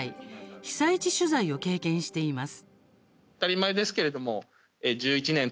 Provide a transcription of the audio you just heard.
被災地取材を経験しています。